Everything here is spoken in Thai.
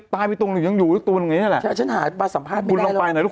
พาไปดูเนี้ยแล้วไปนึกตามได้ตามก็ไม่ได้